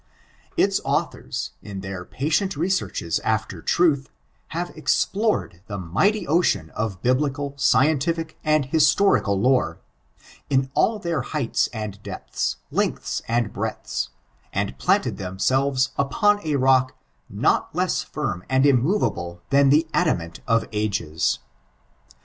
Its authors, in their patient researches alter tmth, hare explored the mighty ocean of biblical, scientific, and historical lore, in all their heights and deptiis, lengtiis and breadths, and planted themsehres npon a rock not less fiim and immovable than the adamant of ages.